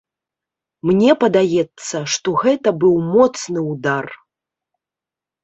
Мне падаецца, што гэта быў моцны ўдар.